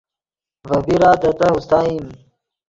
ڤے بیرا دے تہہ اوستائیم